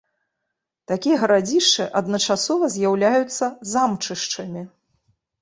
Такія гарадзішчы адначасова з'яўляюцца замчышчамі.